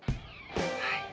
はい。